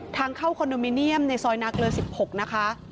ทางเข้าคอนโดมิเนียมในซอยนาเกลือ๑๖นะคะ